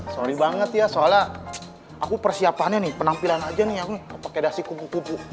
sorry banget ya soalnya aku persiapannya nih penampilan aja nih aku pakai dasi kupu kupu